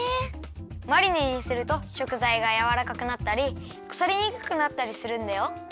マリネにすると食材がやわらかくなったりくさりにくくなったりするんだよ。